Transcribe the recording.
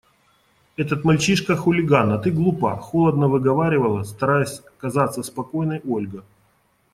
Этот мальчишка – хулиган, а ты глупа, – холодно выговаривала, стараясь казаться спокойной, Ольга.